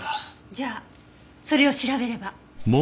じゃあそれを調べれば。